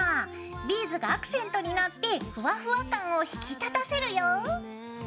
ビーズがアクセントになってふわふわ感を引き立たせるよ。